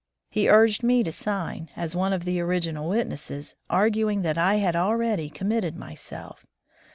He urged me to sign, as one of the original witnesses, arguing that I had already com mitted myself.